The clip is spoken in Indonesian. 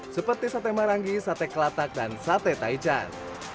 seperti sate marangi sate kelatak dan sate taichan